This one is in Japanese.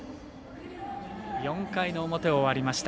４回の表、終わりました。